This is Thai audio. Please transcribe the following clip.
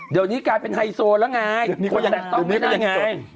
เดี๋ยวนี้กลายเป็นไฮโซแล้วไงคนแตะต้องไม่ได้ไง